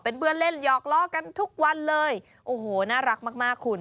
เป็นเพื่อนเล่นหยอกล้อกันทุกวันเลยโอ้โหน่ารักมากมากคุณ